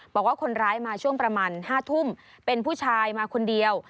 บอกว่าคนร้ายมาช่วงประมาณ๕ทุ่มเป็นผู้ชายมาคนเดียว